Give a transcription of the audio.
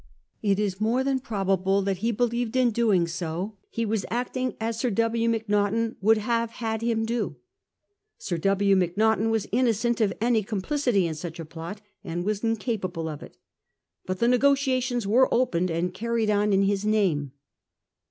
It is more than probable that he be lieved in doing so he was acting as Sir W. Macnagh ten would have had him do. Sir W. JMacnaghten was innocent of any complicity in such a plot, and was incapable of it. But the negotiations were opened and carried on in his name.